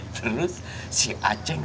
terus si aceng